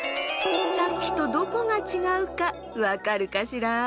さっきとどこがちがうかわかるかしら？